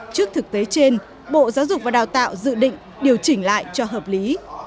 trước thực tế trên bộ giáo dục và đào tạo dự định điều chỉnh lại cho hợp lý